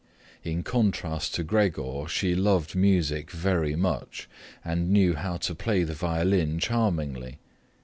In contrast to Gregor she loved music very much and knew how to play the violin charmingly.